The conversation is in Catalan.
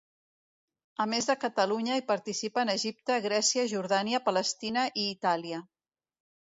A més de Catalunya, hi participen Egipte, Grècia, Jordània, Palestina i Itàlia.